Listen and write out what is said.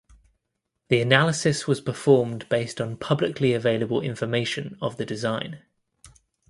The analysis was performed based on publicly available information of the design.